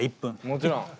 もちろん。